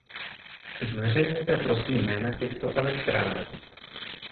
Zveřejněte prosím jména těchto elektráren.